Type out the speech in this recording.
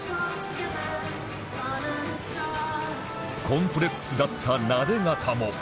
コンプレックスだったなで肩も